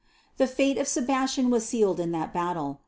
The fate of Sebastian was sealed in that battle.